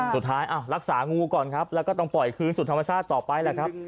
สุดท้ายรักษางูก่อนครับแล้วก็ต้องปล่อยคืนสู่ธรรมชาติต่อไปแหละครับ